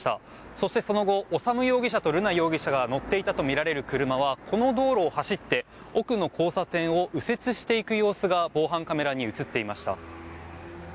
そして、その後修容疑者と瑠奈容疑者が乗っていたとみられる車はこの道路を走って奥の交差点を右折していく様子が防犯カメラに映っていました。